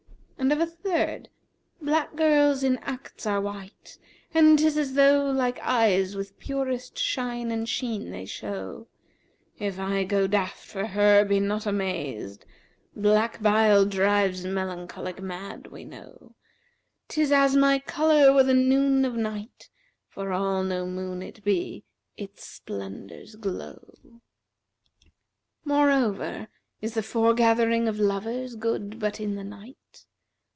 And of a third, 'Black girls in acts are white, and 'tis as though * Like eyes, with purest shine and sheen they show; If I go daft for her, be not amazed; * Black bile[FN#365] drives melancholic mad we know 'Tis as my colour were the noon of night; * For all no moon it be, its splendours glow. Moreover, is the foregathering of lovers good but in the night?